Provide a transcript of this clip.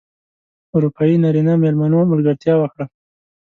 اروپايي نرینه مېلمنو ملګرتیا وکړه.